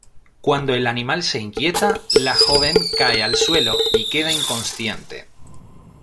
Cuando el animal se inquieta, la joven cae al suelo y queda inconsciente.